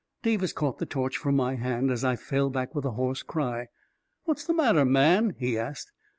. Davis caught the torch from my hand, as I fell back with a hoarse cry. " What's the matter, man ?" he asked.